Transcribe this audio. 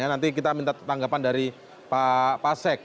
nanti kita minta tanggapan dari pak pasek